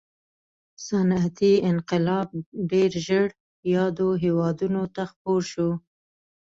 صنعتي انقلاب ډېر ژر یادو هېوادونو ته خپور شو.